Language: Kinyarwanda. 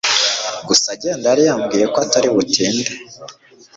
gusa agenda yari yambwiye ko atari butinde